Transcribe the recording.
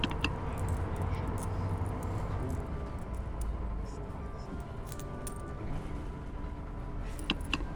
Der Schlund der Krone ist weißlich oder gelblich.